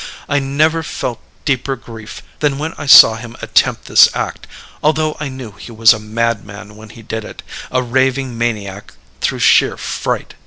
I never felt deeper grief than when I saw him attempt this act, although I knew he was a madman when he did it a raving maniac through sheer fright.